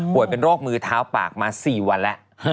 เป็นโรคมือเท้าปากมา๔วันแล้ว